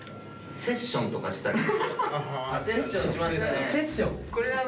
セッションしましたね。